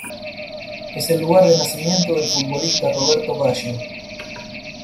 Es el lugar de nacimiento del futbolista Roberto Baggio.